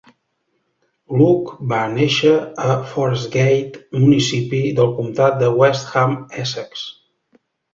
Lough va néixer a Forest Gate, municipi del comtat de West Ham, Essex.